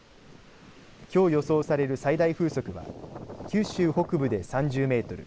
きょう予想される最大風速は九州北部で３０メートル